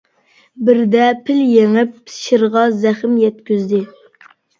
بىردە پىل يېڭىپ شىرغا زەخىم يەتكۈزىدۇ.